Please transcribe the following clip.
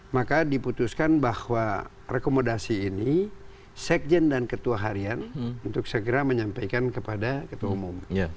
maka diputuskan bahwa rekomendasi ini sekjen dan ketua harian untuk segera menyampaikan kepada ketua umum